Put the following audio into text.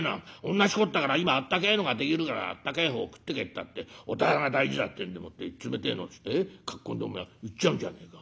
同じことだから今あったけえのができるからあったけえ方食ってけったって御店が大事だってんでもって冷てえのっつってかっ込んでお前行っちゃうんじゃねえか。